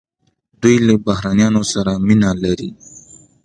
دوی له بهرنیانو سره مینه لري.